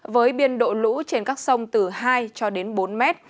với biên độ lũ trên các sông từ hai bốn m